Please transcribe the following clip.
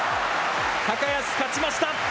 高安、勝ちました。